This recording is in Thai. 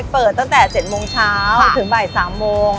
เปิดตั้งแต่๗โมงเช้าถึงบ่าย๓โมง